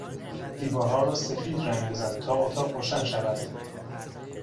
دیوارها را سفید رنگ بزن تا اتاق روشن شود.